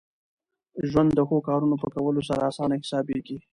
ژوند د ښو کارونو په کولو سره اسانه حسابېږي.